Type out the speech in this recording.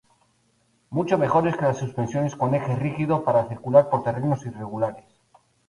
Mucho mejores que las suspensiones con eje rígido para circular por terrenos irregulares.